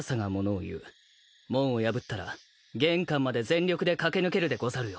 門を破ったら玄関まで全力で駆け抜けるでござるよ。